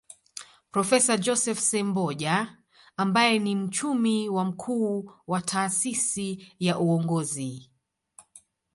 Profesa Joseph Semboja ambaye ni mchumi na mkuu wa Taasisi ya Uongozi